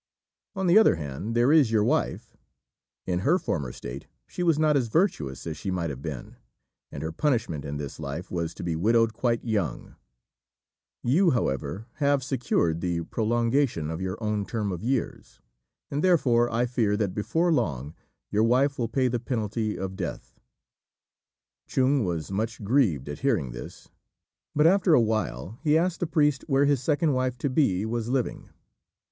On the other hand, there is your wife; in her former state she was not as virtuous as she might have been, and her punishment in this life was to be widowed quite young; you, however, have secured the prolongation of your own term of years, and therefore I fear that before long your wife will pay the penalty of death." Chung was much grieved at hearing this; but after a while he asked the priest where his second wife to be was living.